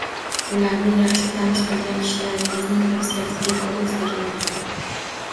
Ularni yaxshi tanish bo‘lgan kishilaringizning tavsiyalariga ko‘ra izlagan ma’qul.